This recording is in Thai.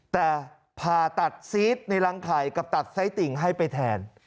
แต่ผ่าตัดซีสในรังไข่กับตัดไส้ติ่งให้ไปแทน